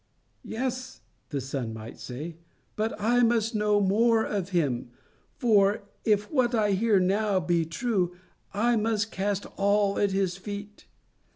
"Yes," the son might say, "but I must know more of him; for, if what I hear now be true, I must cast all at his feet.